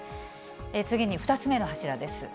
次に２つ目の柱です。